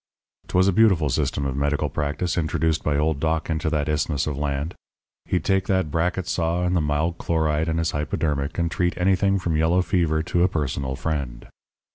"'Twas a beautiful system of medical practice introduced by old Doc into that isthmus of land. He'd take that bracket saw and the mild chloride and his hypodermic, and treat anything from yellow fever to a personal friend.